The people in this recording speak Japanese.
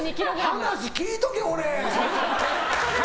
話聞いとけ、俺。